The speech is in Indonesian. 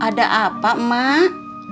ada apa mak